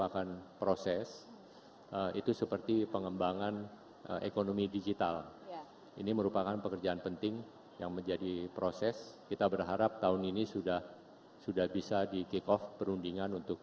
karena dalam piagam asean jelas disebut